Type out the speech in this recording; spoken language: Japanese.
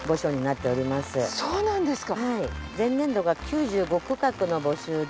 そうなんですか！